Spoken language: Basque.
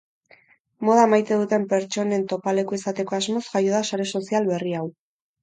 Moda maite duten pertsonen topaleku izateko asmoz jaio da sare sozial berri hau.